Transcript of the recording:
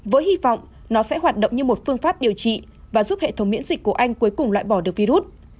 với hy vọng nó sẽ hoạt động như một phương pháp điều trị và giúp hệ thống miễn dịch của anh cuối cùng loại bỏ được virus